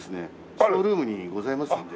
ショールームにございますので。